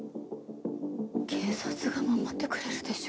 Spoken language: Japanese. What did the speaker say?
警察が守ってくれるでしょ。